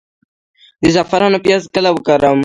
د زعفرانو پیاز کله وکرم؟